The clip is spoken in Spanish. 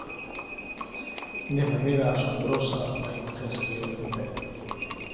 De manera asombrosa la imagen salió indemne.